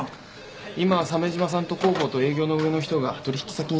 今鮫島さんと広報と営業の上の人が取引先に謝罪に出てます。